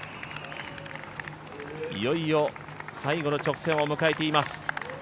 いよいよ最後の直線を迎えています。